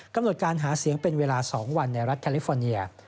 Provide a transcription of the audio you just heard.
กำหนดการหาเสียงเป็นเวลา๒วันในรัฐแคลิฟอร์เนีย